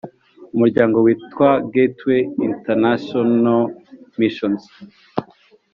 Umuryango Witwa Gateway Internacional Missions